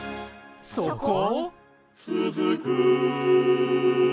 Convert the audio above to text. そこ？